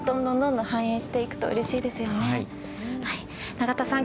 永田さん